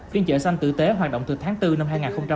phiên chợ xanh tử tế hoạt động từ tháng bốn năm hai nghìn một mươi sáu